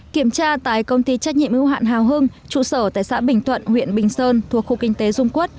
kiểm tra tại công ty trách nhiệm ưu hạn hào hưng trụ sở tại xã bình thuận huyện bình sơn thuộc khu kinh tế dung quốc